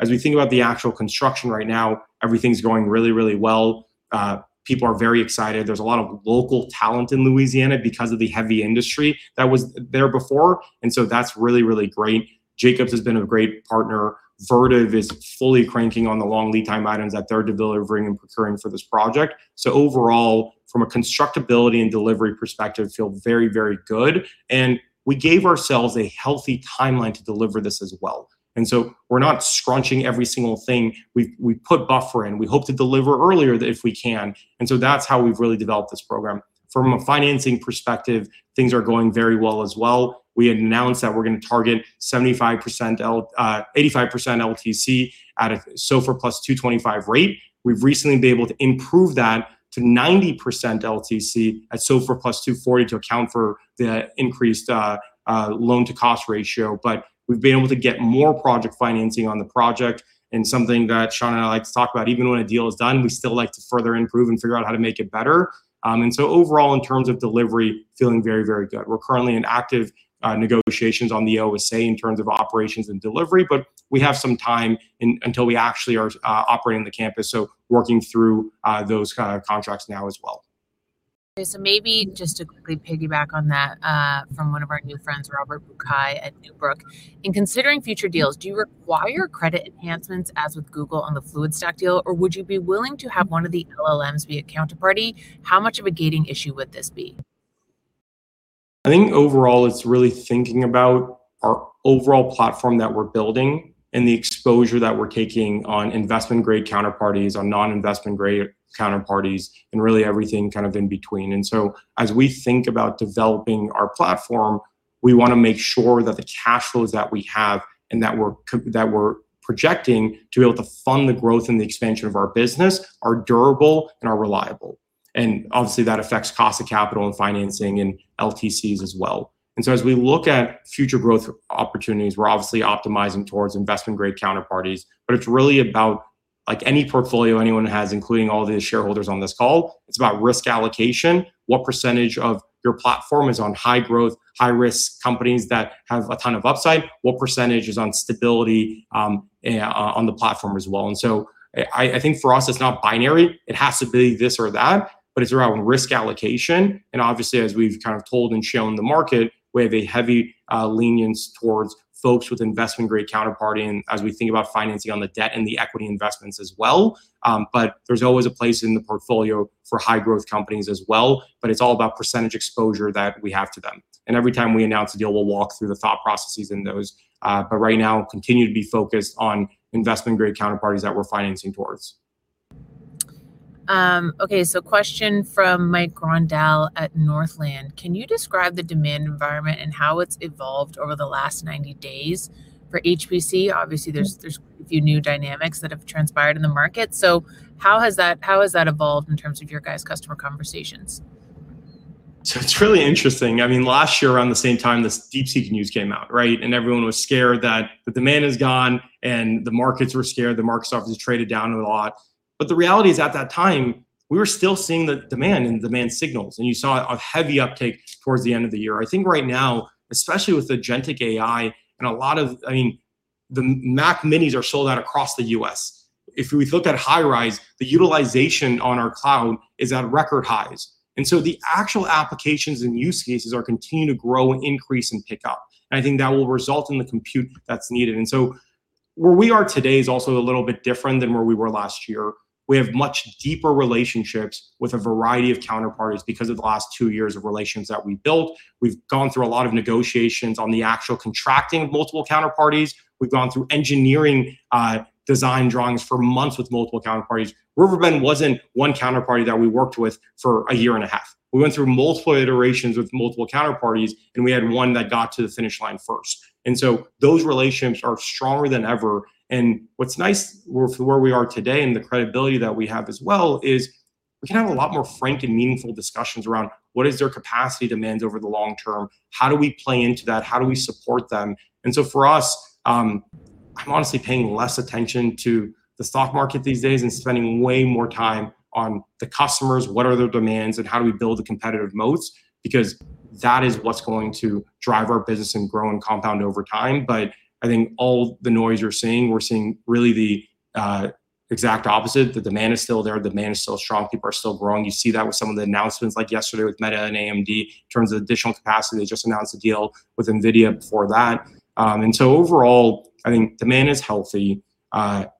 As we think about the actual construction right now, everything's going really, really well. People are very excited. There's a lot of local talent in Louisiana because of the heavy industry that was there before, that's really, really great. Jacobs has been a great partner. Vertiv is fully cranking on the long lead time items that they're delivering and procuring for this project. Overall, from a constructability and delivery perspective, feel very, very good, and we gave ourselves a healthy timeline to deliver this as well. We're not scrunching every single thing. We put buffer in. We hope to deliver earlier if we can. That's how we've really developed this program. From a financing perspective, things are going very well as well. We announced that we're gonna target 75% L- 85% LTC at a SOFR plus 225 rate. We've recently been able to improve that to 90% LTC at SOFR plus 240 to account for the increased loan-to-cost ratio. We've been able to get more project financing on the project. Something that Sean and I like to talk about, even when a deal is done, we still like to further improve and figure out how to make it better. Overall, in terms of delivery, feeling very good. We're currently in active negotiations on the OSA in terms of operations and delivery, but we have some time until we actually are operating the campus, so working through those kind of contracts now as well.
Maybe just to quickly piggyback on that, from one of our new friends, Robert Buck at Newbrook: "In considering future deals, do you require credit enhancements, as with Google on the Fluidstack deal, or would you be willing to have one of the LLMs be a counterparty? How much of a gating issue would this be?
I think overall, it's really thinking about our overall platform that we're building and the exposure that we're taking on investment-grade counterparties, on non-investment grade counterparties, and really everything kind of in between. As we think about developing our platform, we want to make sure that the cash flows that we have and that we're projecting to be able to fund the growth and the expansion of our business are durable and are reliable. Obviously, that affects cost of capital and financing and LTCs as well. As we look at future growth opportunities, we're obviously optimizing towards investment-grade counterparties, but it's really about, like any portfolio anyone has, including all the shareholders on this call, it's about risk allocation. What percentage of your platform is on high growth, high risk companies that have a ton of upside? What % is on stability on the platform as well? I think for us, it's not binary, it has to be this or that, but it's around risk allocation. Obviously, as we've kind of told and shown the market, we have a heavy lenience towards folks with investment-grade counterparty, and as we think about financing on the debt and the equity investments as well. There's always a place in the portfolio for high growth companies as well, but it's all about % exposure that we have to them. Every time we announce a deal, we'll walk through the thought processes in those. Right now, we continue to be focused on investment-grade counterparties that we're financing towards.
Okay, question from Mike Grondahl at Northland: "Can you describe the demand environment and how it's evolved over the last 90 days for HPC? Obviously, there's a few new dynamics that have transpired in the market. How has that evolved in terms of your guys' customer conversations?
It's really interesting. I mean, last year, around the same time, this DeepSeek news came out, right? Everyone was scared that the demand is gone, and the markets were scared. The market stock has traded down a lot. The reality is, at that time, we were still seeing the demand and demand signals, and you saw a heavy uptake towards the end of the year. I think right now, especially with the agentic AI, I mean, the Mac Minis are sold out across the U.S.. If we looked at Highrise, the utilization on our cloud is at record highs, and so the actual applications and use cases are continuing to grow and increase and pick up. I think that will result in the compute that's needed. Where we are today is also a little bit different than where we were last year. We have much deeper relationships with a variety of counterparties because of the last 2 years of relations that we built. We've gone through a lot of negotiations on the actual contracting of multiple counterparties. We've gone through engineering, design drawings for months with multiple counterparties. River Bend wasn't one counterparty that we worked with for a year and a half. We went through multiple iterations with multiple counterparties, and we had one that got to the finish line first. So those relationships are stronger than ever. What's nice for where we are today and the credibility that we have as well, is we can have a lot more frank and meaningful discussions around what is their capacity demand over the long term? How do we play into that? How do we support them? For us, I'm honestly paying less attention to the stock market these days and spending way more time on the customers, what are their demands, and how do we build a competitive moats, because that is what's going to drive our business and grow and compound over time. I think all the noise you're seeing, we're seeing really the exact opposite. The demand is still there. The demand is still strong. People are still growing. You see that with some of the announcements, like yesterday with Meta and AMD, in terms of additional capacity. They just announced a deal with NVIDIA before that. Overall, I think demand is healthy. A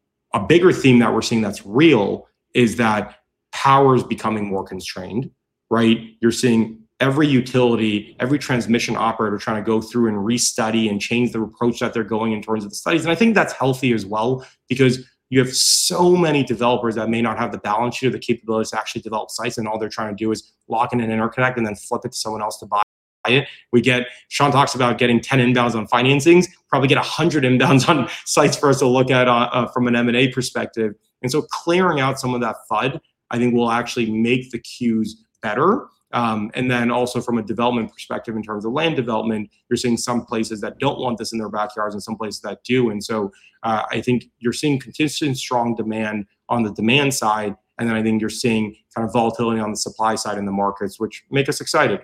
bigger theme that we're seeing that's real is that power is becoming more constrained, right? You're seeing every utility, every transmission operator trying to go through and restudy and change the approach that they're going in towards the studies. I think that's healthy as well, because you have so many developers that may not have the balance sheet or the capabilities to actually develop sites, and all they're trying to do is lock in an interconnect and then flip it to someone else to buy it. Sean talks about getting 10 inbounds on financings, probably get 100 inbounds on sites for us to look at from an M&A perspective. Clearing out some of that FUD, I think, will actually make the queues better. Then also from a development perspective, in terms of land development, you're seeing some places that don't want this in their backyards and some places that do. I think you're seeing consistent, strong demand on the demand side, and then I think you're seeing kind of volatility on the supply side in the markets, which make us excited.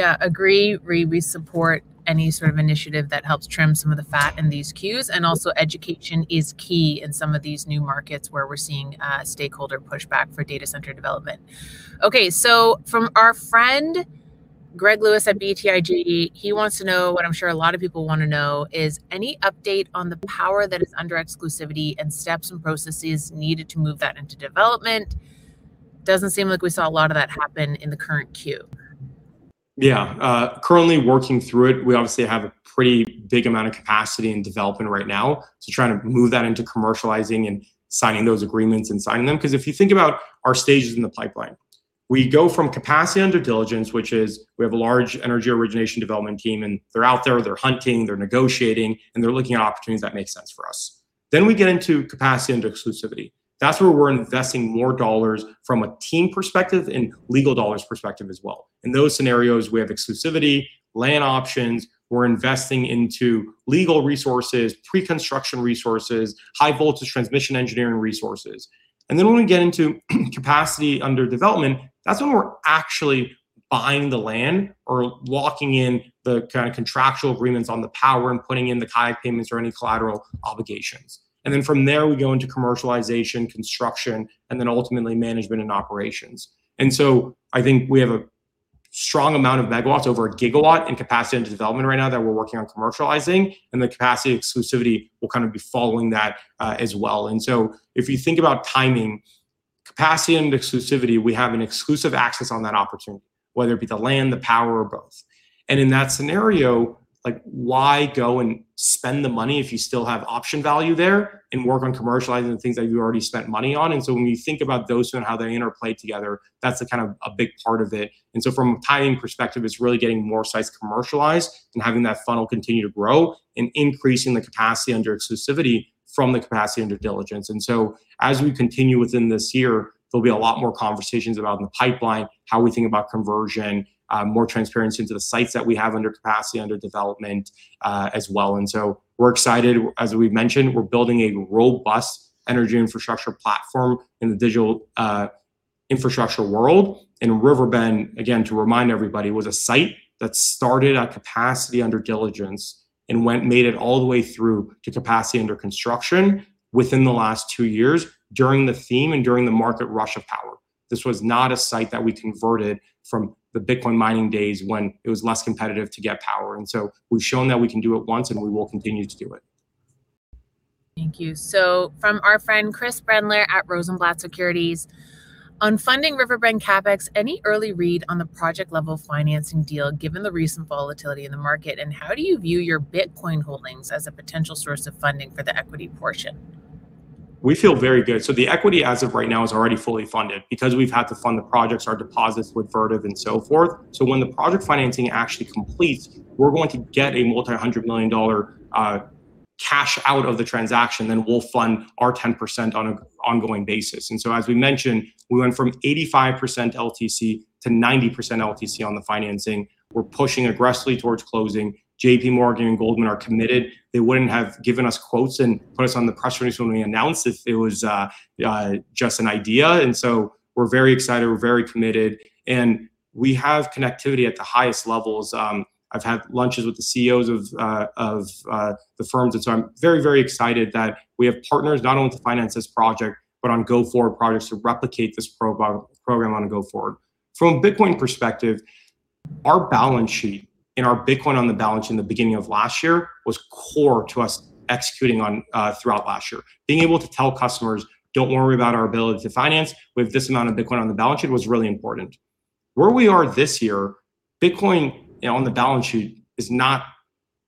Yeah, agree. We support any sort of initiative that helps trim some of the fat in these queues. Also, education is key in some of these new markets where we're seeing stakeholder pushback for data center development. From our friend, Gregory Lewis at BTIG, he wants to know what I'm sure a lot of people want to know, is, "Any update on the power that is under exclusivity and steps and processes needed to move that into development?" Doesn't seem like we saw a lot of that happen in the current queue.
Yeah. Currently working through it. We obviously have a pretty big amount of capacity in development right now, so trying to move that into commercializing and signing those agreements and signing them, 'cause if you think about our stages in the pipeline, we go from capacity under diligence, which is we have a large energy origination development team, and they're out there, they're hunting, they're negotiating, and they're looking at opportunities that make sense for us. We get into capacity under exclusivity. That's where we're investing more dollars from a team perspective and legal dollars perspective as well. In those scenarios, we have exclusivity, land options, we're investing into legal resources, preconstruction resources, high-voltage transmission engineering resources. When we get into capacity under development, that's when we're actually. buying the land or locking in the kind of contractual agreements on the power and putting in the kind of payments or any collateral obligations. Then from there, we go into commercialization, construction, and then ultimately management and operations. I think we have a strong amount of megawatts, over 1 gigawatt in capacity into development right now that we're working on commercializing, and the capacity exclusivity will kind of be following that as well. If you think about timing, capacity and exclusivity, we have an exclusive access on that opportunity, whether it be the land, the power, or both. In that scenario, like, why go and spend the money if you still have option value there and work on commercializing the things that you already spent money on? When you think about those two and how they interplay together, that's a kind of a big part of it. From a timing perspective, it's really getting more sites commercialized and having that funnel continue to grow and increasing the capacity under exclusivity from the capacity under diligence. As we continue within this year, there'll be a lot more conversations about the pipeline, how we think about conversion, more transparency into the sites that we have under capacity, under development, as well. We're excited. As we've mentioned, we're building a robust energy infrastructure platform in the digital infrastructure world. River Bend, again, to remind everybody, was a site that started at capacity under diligence and made it all the way through to capacity under construction within the last 2 years, during the theme and during the market rush of power. This was not a site that we converted from the Bitcoin mining days when it was less competitive to get power. We've shown that we can do it once, and we will continue to do it.
Thank you. From our friend, Chris Brendler at Rosenblatt Securities: "On funding River Bend CapEx, any early read on the project-level financing deal, given the recent volatility in the market, and how do you view your Bitcoin holdings as a potential source of funding for the equity portion?
We feel very good. The equity, as of right now, is already fully funded. Because we've had to fund the projects, our deposits with Vertiv, and so forth, so when the project financing actually completes, we're going to get a multi-hundred million dollar cash out of the transaction, then we'll fund our 10% on an ongoing basis. As we mentioned, we went from 85% LTC to 90% LTC on the financing. We're pushing aggressively towards closing. JP Morgan and Goldman are committed. They wouldn't have given us quotes and put us on the press release when we announced if it was a just an idea. We're very excited, we're very committed, and we have connectivity at the highest levels. I've had lunches with the CEOs of the firms, and so I'm very excited that we have partners not only to finance this project, but on go-forward projects to replicate this program on a go forward. From a Bitcoin perspective, our balance sheet and our Bitcoin on the balance sheet in the beginning of last year was core to us executing on throughout last year. Being able to tell customers, "Don't worry about our ability to finance," with this amount of Bitcoin on the balance sheet was really important. Where we are this year, Bitcoin, you know, on the balance sheet is not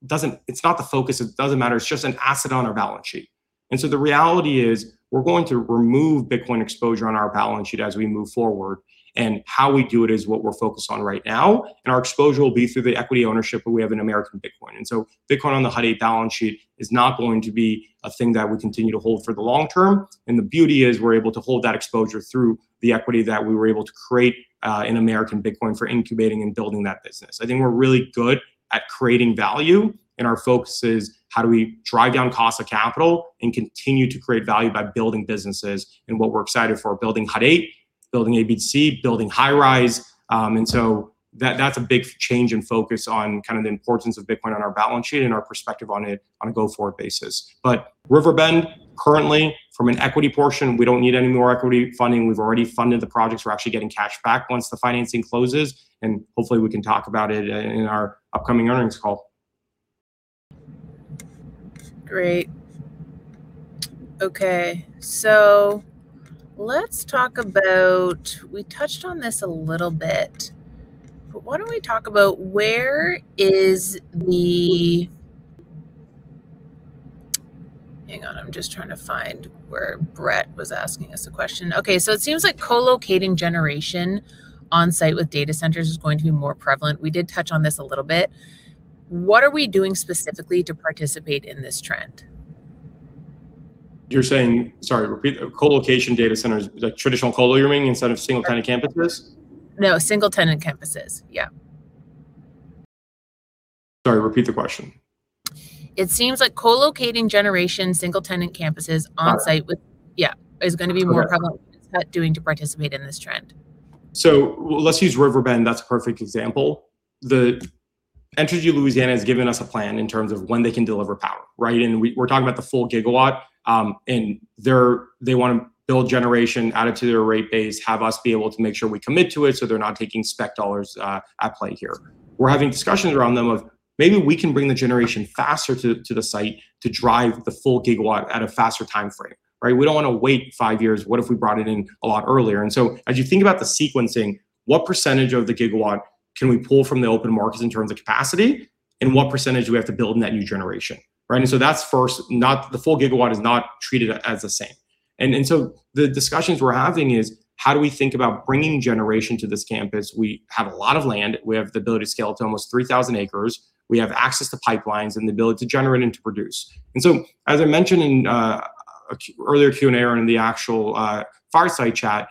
the focus, it doesn't matter. It's just an asset on our balance sheet. The reality is, we're going to remove Bitcoin exposure on our balance sheet as we move forward, and how we do it is what we're focused on right now, and our exposure will be through the equity ownership, where we have an American Bitcoin. Bitcoin on the Hut 8 balance sheet is not going to be a thing that we continue to hold for the long term. The beauty is, we're able to hold that exposure through the equity that we were able to create in American Bitcoin for incubating and building that business. I think we're really good at creating value, and our focus is, how do we drive down cost of capital and continue to create value by building businesses? What we're excited for, building Hut 8, building ABC, building Highrise. That, that's a big change in focus on kind of the importance of Bitcoin on our balance sheet and our perspective on it on a go-forward basis. River Bend, currently, from an equity portion, we don't need any more equity funding. We've already funded the projects. We're actually getting cash back once the financing closes, and hopefully we can talk about it in our upcoming earnings call.
Great. Okay, let's talk about... We touched on this a little bit, but what don't we talk about where is the... Hang on, I'm just trying to find where Brett was asking us a question. Okay, it seems like co-locating generation on-site with data centers is going to be more prevalent. We did touch on this a little bit. What are we doing specifically to participate in this trend?
Sorry, repeat. Co-location data centers, like traditional co-lo, you mean, instead of single-tenant campuses?
No, single-tenant campuses. Yeah.
Sorry, repeat the question.
It seems like co-locating generation, single-tenant campuses on-site.
Got it.
Yeah, is gonna be more prevalent.
Okay.
What's that doing to participate in this trend?
Let's use River Bend. That's a perfect example. The Entergy Louisiana has given us a plan in terms of when they can deliver power, right? We're talking about the full gigawatt. They wanna build generation, add it to their rate base, have us be able to make sure we commit to it, so they're not taking spec dollars at play here. We're having discussions around them of, maybe we can bring the generation faster to the site to drive the full gigawatt at a faster timeframe, right? We don't wanna wait 5 years. What if we brought it in a lot earlier? As you think about the sequencing, what % of the gigawatt can we pull from the open markets in terms of capacity, and what % do we have to build in that new generation, right? That's first. The full gigawatt is not treated as the same. The discussions we're having is, how do we think about bringing generation to this campus? We have a lot of land. We have the ability to scale to almost 3,000 acres. We have access to pipelines and the ability to generate and to produce. As I mentioned in earlier Q&A or in the actual Fireside chat,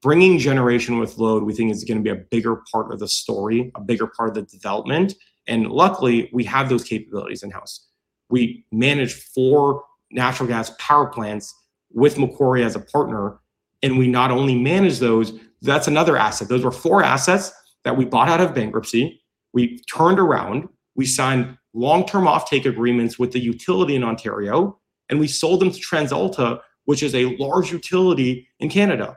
bringing generation with load, we think is gonna be a bigger part of the story, a bigger part of the development, and luckily, we have those capabilities in-house. We managed four natural gas power plants with Macquarie as a partner, and we not only managed those, that's another asset. Those were four assets that we bought out of bankruptcy, we turned around, we signed long-term offtake agreements with the utility in Ontario, and we sold them to TransAlta, which is a large utility in Canada.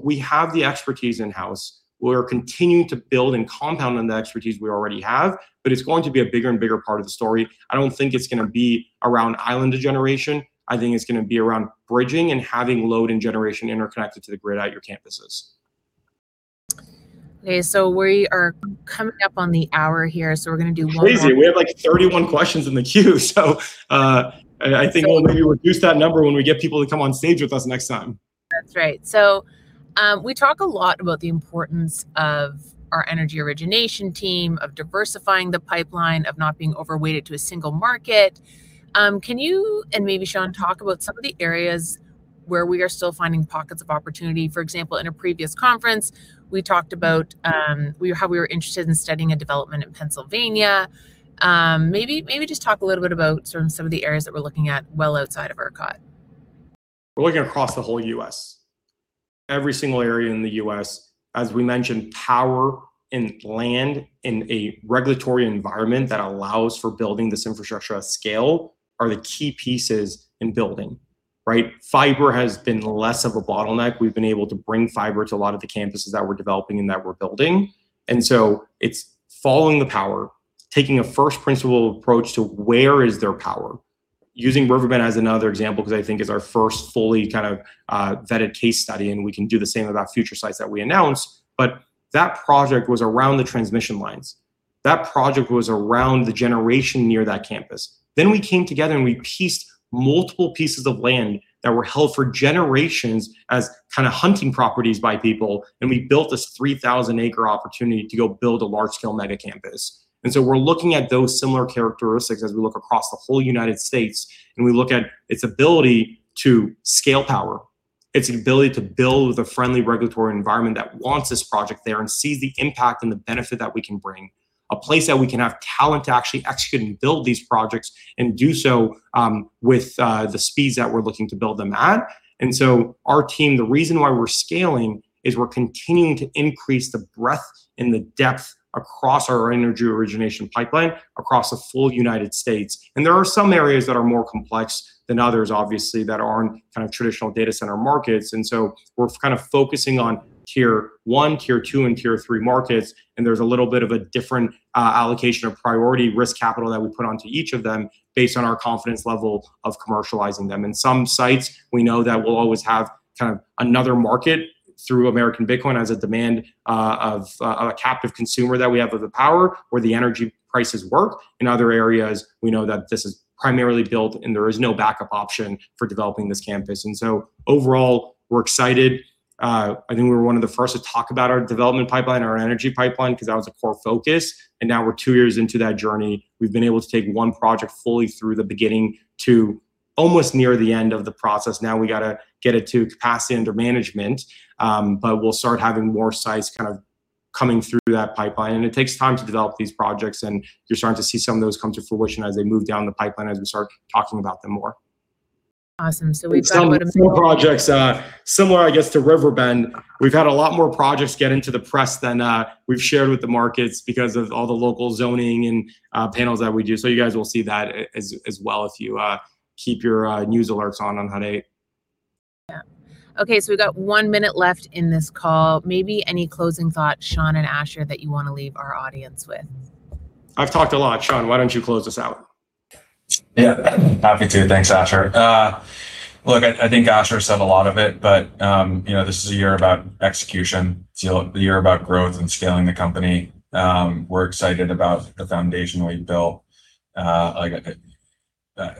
We have the expertise in-house. We're continuing to build and compound on the expertise we already have, but it's going to be a bigger and bigger part of the story. I don't think it's gonna be around island generation, I think it's gonna be around bridging and having load and generation interconnected to the grid at your campuses.
Okay, we are coming up on the hour here, so we're gonna do one more-
Crazy, we have, like, 31 questions in the queue so, and I think we'll maybe reduce that number when we get people to come on stage with us next time.
That's right. We talk a lot about the importance of our energy origination team, of diversifying the pipeline, of not being overweighted to a single market. Can you and maybe Sean talk about some of the areas where we are still finding pockets of opportunity? For example, in a previous conference, we talked about how we were interested in studying a development in Pennsylvania. Maybe just talk a little bit about sort of some of the areas that we're looking at well outside of ERCOT.
We're looking across the whole US. Every single area in the US, as we mentioned, power and land in a regulatory environment that allows for building this infrastructure at scale are the key pieces in building, right? Fiber has been less of a bottleneck. We've been able to bring fiber to a lot of the campuses that we're developing and that we're building. It's following the power, taking a first principle approach to where is there power? Using River Bend as another example, 'cause I think is our first fully kind of vetted case study, and we can do the same with our future sites that we announce, that project was around the transmission lines. That project was around the generation near that campus. We came together, and we pieced multiple pieces of land that were held for generations as kind of hunting properties by people, and we built this 3,000 acre opportunity to go build a large-scale mega campus. We're looking at those similar characteristics as we look across the whole United States, and we look at its ability to scale power, its ability to build with a friendly regulatory environment that wants this project there and sees the impact and the benefit that we can bring. A place that we can have talent to actually execute and build these projects and do so with the speeds that we're looking to build them at. Our team, the reason why we're scaling is we're continuing to increase the breadth and the depth across our energy origination pipeline, across the full United States. There are some areas that are more complex than others, obviously, that aren't kind of traditional data center markets. We're kind of focusing on tier one, tier two, and tier three markets, and there's a little bit of a different allocation of priority risk capital that we put onto each of them based on our confidence level of commercializing them. In some sites, we know that we'll always have kind of another market through American Bitcoin as a demand of a captive consumer that we have of the power, where the energy prices work. In other areas, we know that this is primarily built, and there is no backup option for developing this campus. Overall, we're excited. I think we're one of the first to talk about our development pipeline, our energy pipeline, 'cause that was a core focus, and now we're two years into that journey. We've been able to take one project fully through the beginning to almost near the end of the process. Now we gotta get it to capacity under management, but we'll start having more sites kind of coming through that pipeline, and it takes time to develop these projects, and you're starting to see some of those come to fruition as they move down the pipeline as we start talking about them more.
Awesome, we've got-
Some more projects, similar, I guess, to River Bend. We've had a lot more projects get into the press than, we've shared with the markets because of all the local zoning and, panels that we do. You guys will see that as well, if you, keep your, news alerts on on Hut 8.
Yeah. Okay, we've got one minute left in this call. Maybe any closing thoughts, Sean and Asher, that you want to leave our audience with?
I've talked a lot. Sean, why don't you close us out?
Yeah. Happy to. Thanks, Asher. look, I think Asher said a lot of it, but, you know, this is a year about execution. It's a year about growth and scaling the company. We're excited about the foundation we've built. like,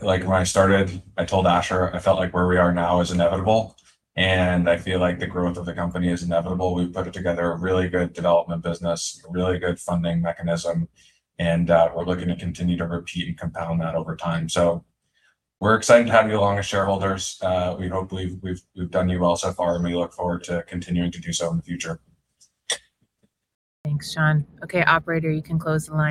when I started, I told Asher I felt like where we are now is inevitable, and I feel like the growth of the company is inevitable. We've put together a really good development business, a really good funding mechanism, and we're looking to continue to repeat and compound that over time. We're excited to have you along as shareholders. We hope we've done you well so far, and we look forward to continuing to do so in the future.
Thanks, Sean. Operator, you can close the line.